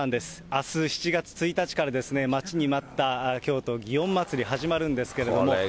あす７月１日から待ちに待った京都祇園祭、始まるんですけども。